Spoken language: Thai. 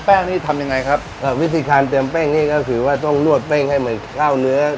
นี่ทำยังไงครับเอ่อวิธีการเติมแป้งนี่ก็คือว่าต้องนวดเป้งให้มันเข้าเนื้อ